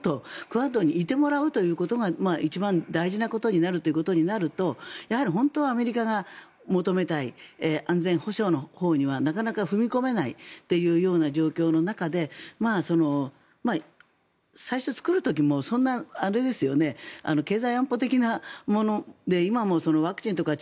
クアッドにいてもらうということが一番大事なことになるということになるとやはり本当はアメリカが求めたい安全保障のほうにはなかなか踏み込めないという状況の中で最初、作る時もそんな、あれですよね経済安保的なもので今もワクチンとか